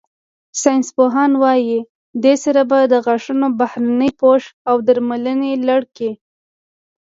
ساینسپوهان وايي، دې سره به د غاښونو بهرني پوښ او درملنې لړ کې